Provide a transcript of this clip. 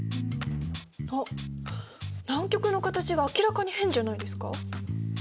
あっ南極の形が明らかに変じゃないですか？